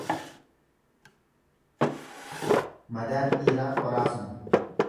Madaan dhiiraa qoraasuma.